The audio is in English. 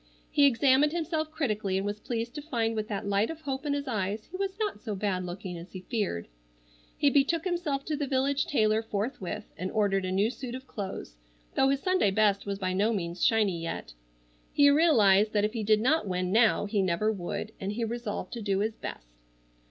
He examined himself critically, and was pleased to find with that light of hope in his eyes he was not so bad looking as he feared. He betook himself to the village tailor forthwith and ordered a new suit of clothes, though his Sunday best was by no means shiny yet. He realized that if he did not win now he never would, and he resolved to do his best.